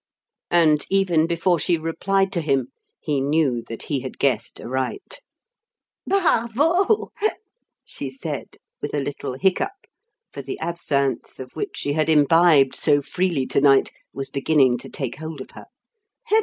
'" And even before she replied to him, he knew that he had guessed aright. "Bravo!" she said, with a little hiccough for the absinthe, of which she had imbibed so freely to night, was beginning to take hold of her.